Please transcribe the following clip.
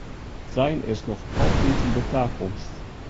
De trein is noch altyd de takomst.